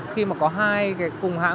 khi mà có hai cái cùng hãng cùng ảnh tranh ấy